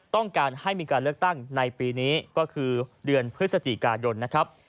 ต้องการให้มีการเลือกตั้งในปีนี้ก็คือเดือนพฤศจิกายนนะครับ